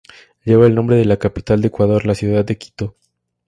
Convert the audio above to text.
Lleva el nombre de la capital de Ecuador, la ciudad de Quito.